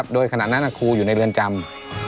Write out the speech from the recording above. โดยขณะนั้นครูอยู่ในเรือนจำ